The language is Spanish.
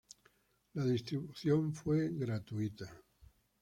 La distribución fue gratuita.